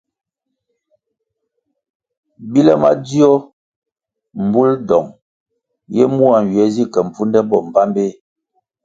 Bile madzio mbul dong ye mua nywie zi ke mpfunde bo mbpambeh.